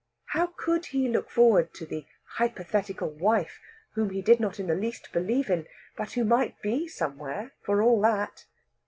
How could he look forward to that "hypothetical" wife whom he did not in the least believe in, but who might be somewhere, for all that!